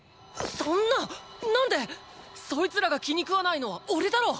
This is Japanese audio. そんな何で⁉そいつらが気に食わないのはおれだろう